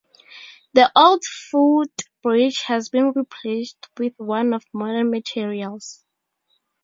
The old footbridge has been replaced with one of modern materials.